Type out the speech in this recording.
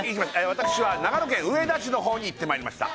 私は長野県上田市の方に行ってまいりました